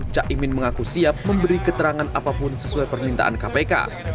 caimin mengaku siap memberi keterangan apapun sesuai permintaan kpk